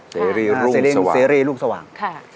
ซีรีย์รุ่งสว่าง